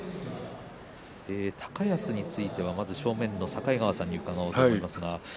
高安については正面の境川さんに伺います。